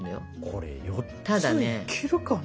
これ４ついけるかな？